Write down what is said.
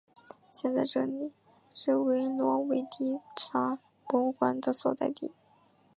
现在这里是维罗维蒂察博物馆的所在地。